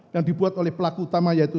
yang dibuat oleh pelaku utama yaitu